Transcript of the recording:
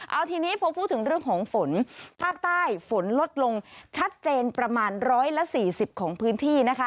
เอาทีนี้พูดถึงเรื่องของฝนฝนลดลงชัดเจนประมาณ๑๔๐ของพื้นที่